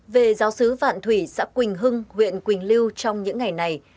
về giáo sứ vạn thủy xã quỳnh hưng huyện quỳnh lưu trong những ngày này